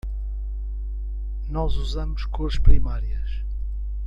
Nós usamos cores primárias.